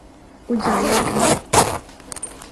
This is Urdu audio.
اجالا بھی۔